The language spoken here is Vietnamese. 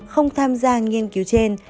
không tham gia nghiên cứu trên